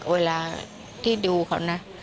เวลาที่ดูเขานะ